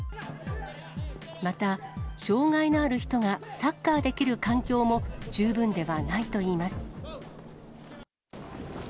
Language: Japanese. また障がいのある人がサッカーできる環境も、十分ではないといいます。